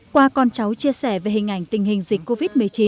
qua con cháu chia sẻ về hình ảnh tình hình dịch covid một mươi chín